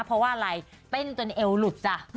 เพราะว่าอะไรเต้นจนเอวหลุดจ้ะ